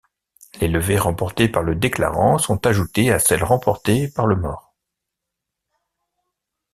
Les levées remportées par le déclarant sont ajoutées à celles remportées par le mort.